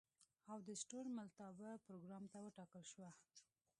او د ستورملتابه پروګرام ته وټاکل شوه.